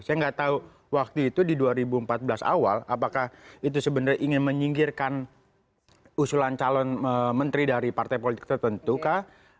saya nggak tahu waktu itu di dua ribu empat belas awal apakah itu sebenarnya ingin menyingkirkan usulan calon menteri dari partai politik tertentu kah